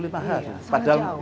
iya sangat jauh